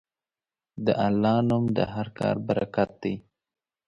د الله نوم د هر کار برکت دی.